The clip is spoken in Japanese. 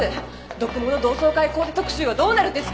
読モの同窓会コーデ特集はどうなるんですか？